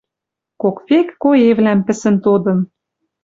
Кок век коэвлӓм пӹсӹн тодын